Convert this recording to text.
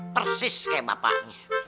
persis kayak bapaknya